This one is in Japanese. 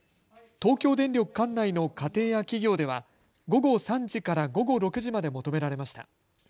東京電力管内の家庭や企業では午後３時から午後６時まで求められました。